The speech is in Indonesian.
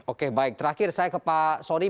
oke baik terakhir saya ke pak soni